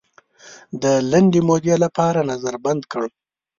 د لنډې مودې لپاره نظر بند کړ.